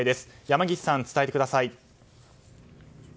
山岸さん、伝えてください。